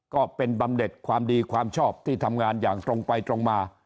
ก็เป็นบำเด็ดความดีความชอบที่ทำงานอย่างตรงไปตรงมา